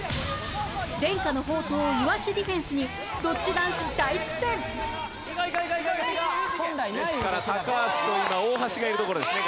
伝家の宝刀イワシディフェンスにドッジ男子大苦戦ですから高橋くんが大橋がいるところですね